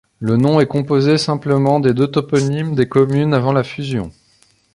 Le nom est composé simplement des deux toponymes des communes avant la fusion.